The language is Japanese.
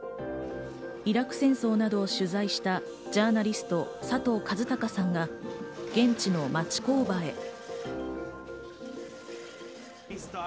イラク戦争などを取材したジャーナリスト・佐藤和孝さんが現地の町工場へ。